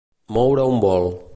Moure un vol.